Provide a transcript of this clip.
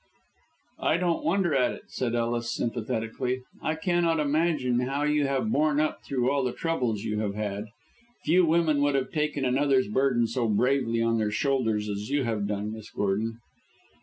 "I don't wonder at it," said Ellis, sympathetically. "I cannot imagine how you have borne up through all the troubles you have had. Few women would have taken another's burden so bravely on their shoulders as you have done, Miss Gordon."